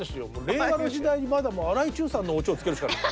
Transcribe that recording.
令和の時代に荒井注さんのオチをつけるしかない。